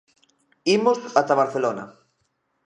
Imos ata Barcelona.